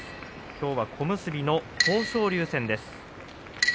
きょうは小結の豊昇龍戦です。